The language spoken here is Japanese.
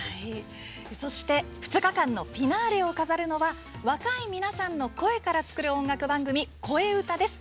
そして２日間のフィナーレを飾るのは若い皆さんの声から作る音楽番組「こえうた」です。